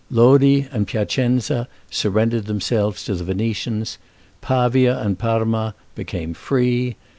Lodi and Piacenza surrendered themselves to the Venetians; Pavia and Parma became free.